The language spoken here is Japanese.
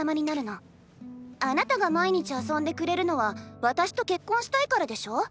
あなたが毎日遊んでくれるのは私と結婚したいからでしょ？